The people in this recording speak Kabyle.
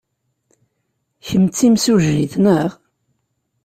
Kemm d timsujjit, naɣ?